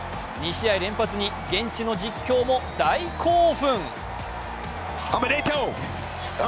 ２試合連発に現地の実況も大興奮。